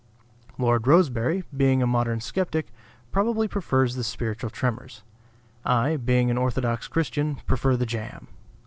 Lord Rosebery, being a modern skeptic, probably prefers the spiritual tremors. I, being an orthodox Christian, prefer the jam.